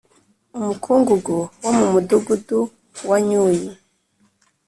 Umukungugu wo mu mudugudu wanyui